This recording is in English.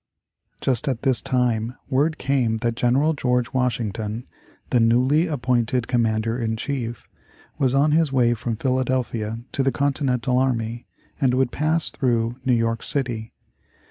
Just at this time word came that General George Washington, the newly appointed commander in chief, was on his way from Philadelphia to the Continental army, and would pass through New York City.